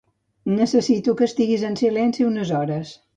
Necessito que estiguis en silenci unes hores.